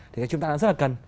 thì chúng ta rất là cần